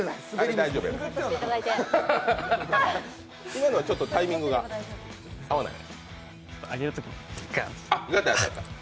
今のはちょっとタイミングが合わない？